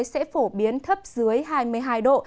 sẽ phổ biến thấp dưới hai mươi hai độ